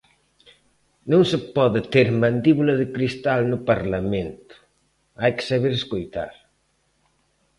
Non se pode ter mandíbula de cristal no Parlamento, hai que saber escoitar.